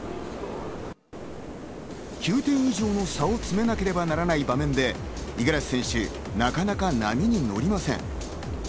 ９点以上の差を詰めなければならない場面で五十嵐選手はなかなか波に乗れません。